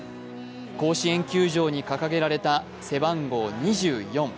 甲子園球場に掲げられた背番号２４。